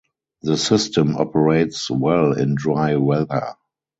The system operates well in dry weather.